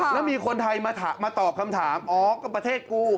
แล้วมีคนไทยมาตอบคำถามอ๋อก็ประเทศกู